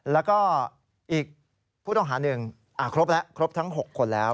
แล้วก็อีกผู้ต้องหาหนึ่งครบแล้วครบทั้ง๖คนแล้ว